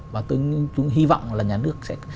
và tôi cũng hy vọng là nhà nước sẽ